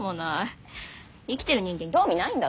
生きてる人間興味ないんだって。